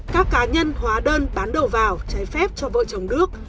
các cá nhân hóa đơn bán đầu vào trái phép cho vợ chồng đức